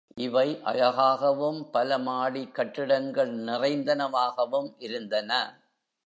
இவை அழகாகவும் பல மாடிக் கட்டிடங்கள் நிறைந்தனவாகவும் இருந்தன.